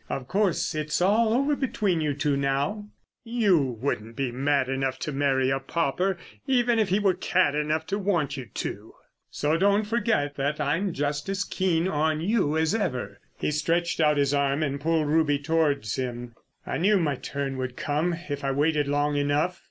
"Of course, it's all over between you two now? You wouldn't be mad enough to marry a pauper, even if he were cad enough to want you to. So don't forget that I'm just as keen on you as ever." He stretched out his arm and pulled Ruby towards him. "I knew my turn would come if I waited long enough."